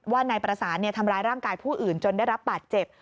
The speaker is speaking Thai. นายประสานทำร้ายร่างกายผู้อื่นจนได้รับบาดเจ็บ